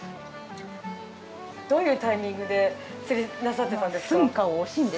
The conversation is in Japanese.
どういうタイミングで釣りなさってたんですか？